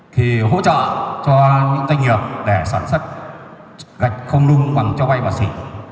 thì hỗ trợ cho những doanh nghiệp để sản xuất gạch không lung bằng cho bay bảo sĩ